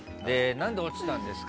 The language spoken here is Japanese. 何で落ちたんですか？